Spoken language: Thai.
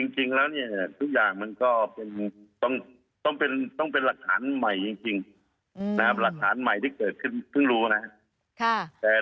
จริงแล้วทุกอย่างมันก็ต้องเป็นหลักฐานใหม่ที่เกิดขึ้นเพิ่งรู้แม้